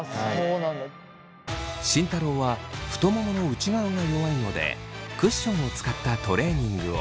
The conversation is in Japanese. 慎太郎は太ももの内側が弱いのでクッションを使ったトレーニングを。